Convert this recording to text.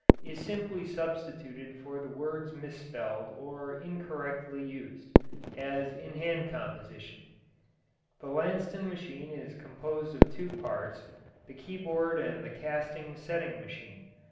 is simply substituted for the words misspelled or incorrectly used, as in hand composition. The Lanston machine is composed of two parts, the keyboard and the casting setting machine.